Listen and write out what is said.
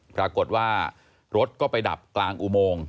ปรากฏว่ารถก็ไปดับกลางอุโมง